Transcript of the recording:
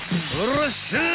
［らっしゃい！